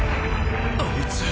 あいつ。